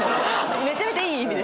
めちゃめちゃいい意味で。